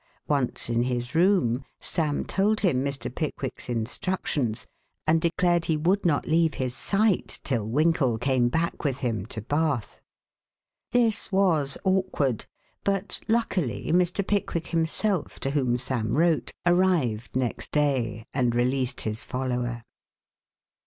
Once in his room, Sam told him Mr. Pickwick's instructions and declared he would not leave his sight till Winkle came back with him to Bath. This was awkward, but luckily, Mr. Pickwick himself, to whom Sam wrote, arrived next day and released his follower.